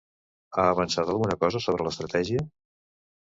Ha avançat alguna cosa sobre l'estratègia?